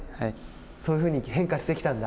そういうふうに変化してきたんだ。